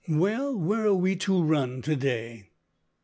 Well, where are we to run to day?"